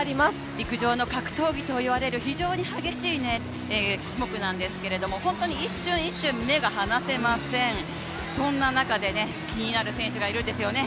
陸上の格闘技と言われる非常に激しい種目なんですけど本当に一瞬一瞬、目が離せません、そんな中で気になる選手がいるんですよね。